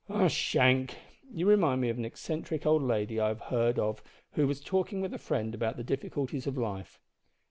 "Ah, Shank, you remind me of an eccentric old lady I have heard of who was talking with a friend about the difficulties of life.